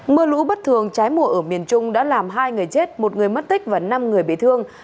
mưa lũ bất thường trái mùa ở miền trung đã làm hai người chết một người mất tích và năm người bị thương